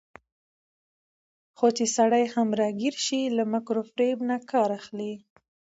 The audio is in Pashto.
خو چې سړى هم راګېر شي، له مکر وفرېب نه کار اخلي